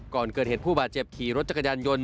ก่อนเกิดเหตุผู้บาดเจ็บขี่รถจักรยานยนต์